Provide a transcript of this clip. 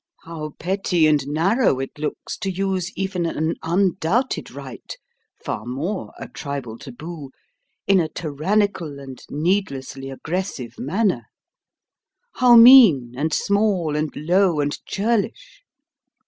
How petty and narrow it looks to use even an undoubted right, far more a tribal taboo, in a tyrannical and needlessly aggressive manner! How mean and small and low and churlish!